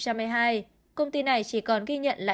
các bạn có thể nhớ like và đăng ký kênh để ủng hộ kênh của mình nhé